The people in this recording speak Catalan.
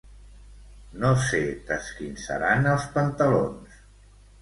No se t'esquinçaran els pantalons.